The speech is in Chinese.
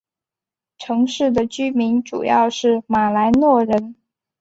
城市的居民主要是马来诺人。